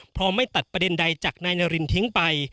เพราะไม่ตัดประเด็นใดจากนายนารินทิ้งไป